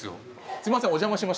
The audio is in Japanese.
すいませんお邪魔しました。